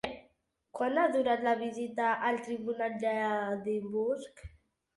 Quant ha durat la vista al Tribunal d'Edimburg?